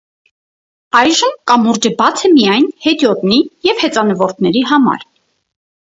Այժմ կամուրջը բաց է միայն հետիոտնի և հեծանվորդների համար։